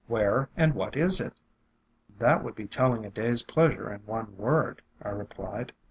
Where and what is it?" "That would be telling a day's pleasure in one word," I replied.